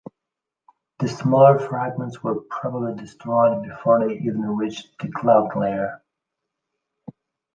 The smaller fragments were probably destroyed before they even reached the cloud layer.